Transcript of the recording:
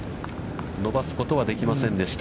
伸ばすことはできませんでした。